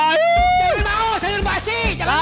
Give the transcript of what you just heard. jangan mau sayur basi